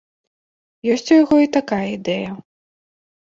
Ёсць у яго і такая ідэя.